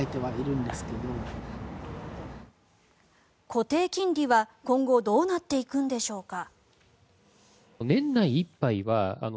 固定金利は今後どうなっていくんでしょうか。